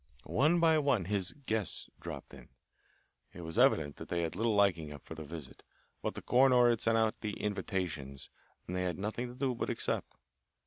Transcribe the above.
One by one his "guests" dropped in. It was evident that they had little liking for the visit, but the coroner had sent out the "invitations," and they had nothing to do but accept.